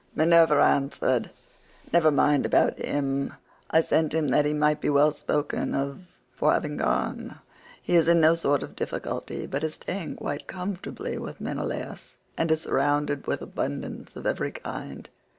Minerva answered, "Never mind about him, I sent him that he might be well spoken of for having gone. He is in no sort of difficulty, but is staying quite comfortably with Menelaus, and is surrounded with abundance of every kind.